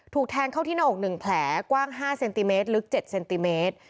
ถูกแทงเข้าที่หน้าอก๑แผลกว้าง๕เซนติเมตรลึก๗เซนติเมตร